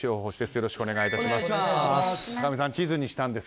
よろしくお願いします。